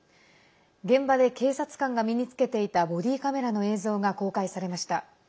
現場で警察官が身に着けていたボディーカメラの映像が公開されました。